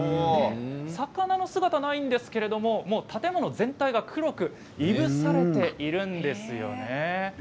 魚の姿がないんですけれど建物全体が黒くいぶされているんです。